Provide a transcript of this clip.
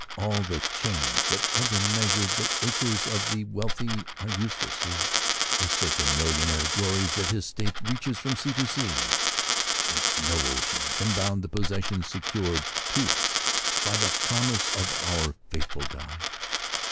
All the chains that ever measured the acres of the wealthy are useless here. A certain millionaire glories that his estate reaches from sea to sea ; but no ocean can bound the possessions secured to us by the promisLC of our faithful God.